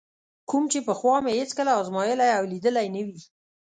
کوم چې پخوا مې هېڅکله ازمایلی او لیدلی نه وي.